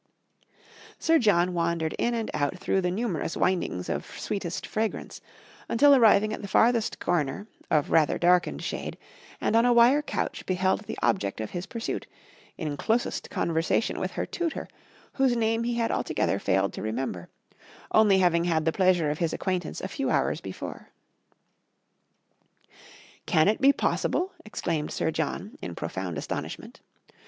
Sir John wandered in and out through the numerous windings of sweetest fragrance, until arriving at the farthest corner, of rather darkened shade, and on a wire couch beheld the object of his pursuit, in closest conversation with her tutor, whose name he had altogether failed to remember, only having had the pleasure of his acquaintance a few hours before. "Can it be possible?" exclaimed Sir John, in profound astonishment.